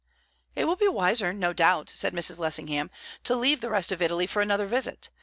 "It will be wiser, no doubt," said Mrs. Lessingham, "to leave the rest of Italy for another visit.